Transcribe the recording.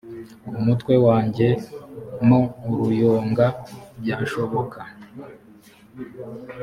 ku mutwe wanjye mo uruyonga byashoboka